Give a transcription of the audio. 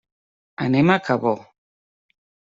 Anem a Cabó.